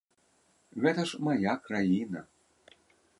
Гэта ж мая краіна.